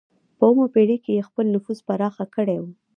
په اوومه پېړۍ کې یې خپل نفوذ پراخ کړی و.